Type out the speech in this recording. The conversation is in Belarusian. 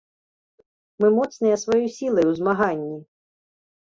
Мы моцныя сваёй сілай у змаганні!